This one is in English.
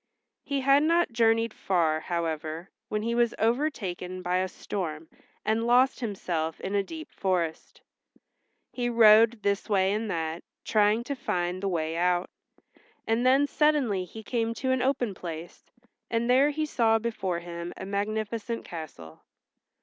He had not journeyed far, however, when he was overtaken by a storm and lost himself in a deep forest. He rode this way and that, trying to find the way out, and then suddenly he came to an open place, and there he saw before him a magnificent castle.